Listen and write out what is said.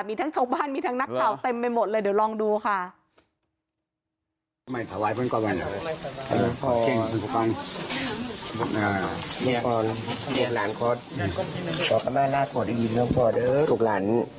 มีทั้งชาวบ้านมีทั้งนักข่าวเต็มไปหมดเลยเดี๋ยวลองดูค่ะ